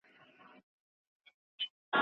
له دریمه چي بېغمه دوه یاران سول